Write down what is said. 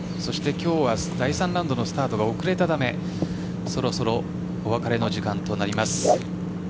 今日は第３ラウンドのスタートが遅れたためそろそろお別れの時間となります。